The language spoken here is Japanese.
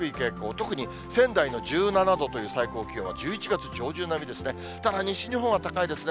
特に仙台の１７度というのは、最高気温は１１月上旬並みですね。